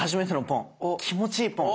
気持ちいいポン！